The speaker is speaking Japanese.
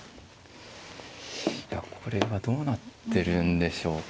これはどうなってるんでしょうか。